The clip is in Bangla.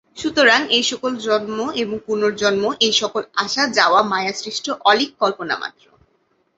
সুতরাং এই-সকল জন্ম এবং পুনর্জন্ম, এই-সকল আসা-যাওয়া মায়াসৃষ্ট অলীক কল্পনা মাত্র।